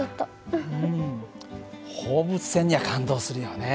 うん放物線には感動するよね。